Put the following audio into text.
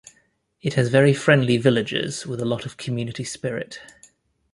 It has very friendly villagers with a lot of community spirit.